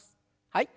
はい。